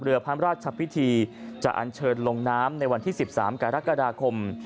เรือพระราชพิธีจะอันเชิญลงน้ำในวันที่๑๓กรกฎาคม